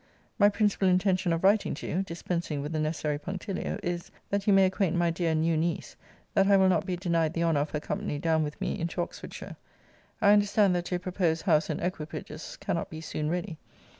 My principal intention of writing to you (dispensing with the necessary punctilio) is, that you may acquaint my dear new niece, that I will not be denied the honour of her company down with me into Oxfordshire. I understand that your proposed house and equipages cannot be soon ready.